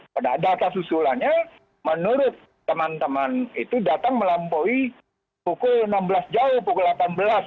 pada data susulannya menurut teman teman itu datang melampaui pukul enam belas jauh pukul delapan belas